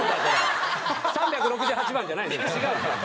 ３６８番じゃない違うんですよ。